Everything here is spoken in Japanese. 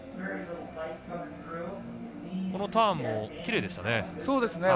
このターンもきれいでしたね。